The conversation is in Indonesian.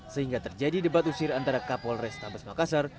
sehingga terjadi debat usir antara kapolres tabes makassar